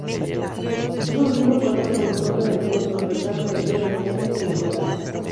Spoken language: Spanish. Es un cinco puertas con motor delantero transversal, tracción delantera y cinco plazas.